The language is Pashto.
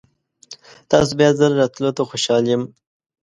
تاسو بیا ځل راتلو ته خوشحال یم.